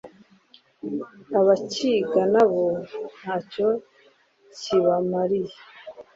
abakiga nabo ntacyo kibamariye